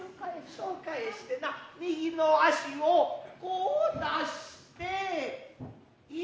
そう返してな右の足をこう出して「伊勢の國に」。